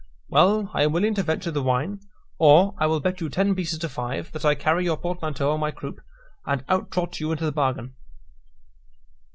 "Well, I am willing to venture the wine; or, I will bet you ten pieces to five, that I carry your portmanteau on my croupe, and out trot you into the bargain."